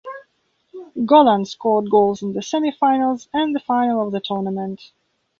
Golan scored goals in the semi-finals and the final of the tournament.